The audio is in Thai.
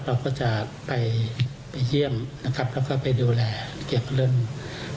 เราก็จะไปไปเยี่ยมนะครับแล้วก็ไปดูแลเกี่ยวกับเรื่อง